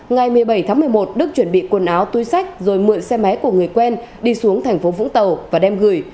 ngày một mươi bảy tháng một mươi một đức chuẩn bị quần áo túi sách rồi mượn xe máy của người quen đi xuống thành phố vũng tàu và đem gửi